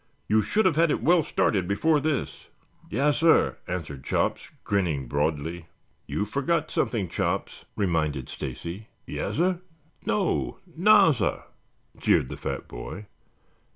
"You should have had it well started before this." "Yassir," answered Chops, grinning broadly. "You forgot something, Chops," reminded Stacy. "Yassir?" "No, nassir," jeered the fat boy.